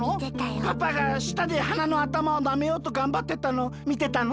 パパがしたではなのあたまをなめようとがんばってたのみてたの？